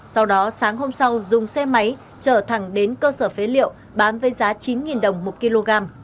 sau đó sáng hôm sau dùng xe máy trở thẳng đến cơ sở phế liệu bán với giá chín đồng một kg